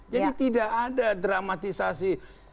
jadi tidak ada dramatisasi